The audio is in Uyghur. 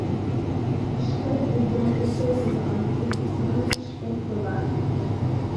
ئىشقىلىپ بىزدە ئۆزگەرتىدىغان، تۈزىتىدىغان ئىش بەك تولا!